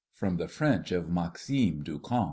From the French of MAXIME DU CAMP.